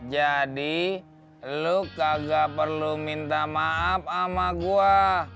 jadi lo kagak perlu minta maaf sama gue